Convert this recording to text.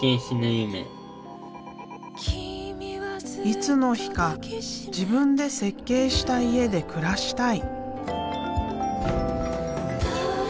いつの日か自分で設計した家で暮らしたい。